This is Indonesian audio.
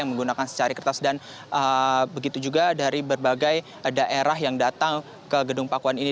yang menggunakan secari kertas dan begitu juga dari berbagai daerah yang datang ke gedung pakuan ini